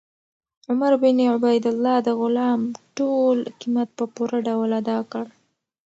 عمر بن عبیدالله د غلام ټول قیمت په پوره ډول ادا کړ.